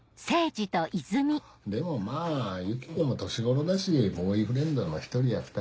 でもまぁユキコも年頃だしボーイフレンドの１人や２人。